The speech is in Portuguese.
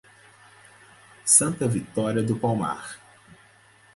Santa Vitória do Palmar